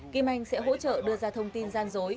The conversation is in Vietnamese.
kim anh sẽ hỗ trợ đưa ra thông tin gian dối